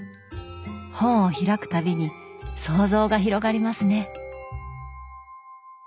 本を開くたびに想像が広がりますね。